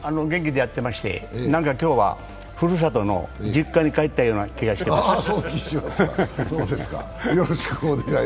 元気でやってまして、何か今日はふるさとの実家に帰ったような気がしてます。